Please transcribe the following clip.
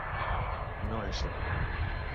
No s